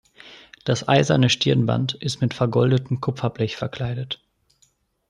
Das eiserne Stirnband ist mit vergoldetem Kupferblech verkleidet.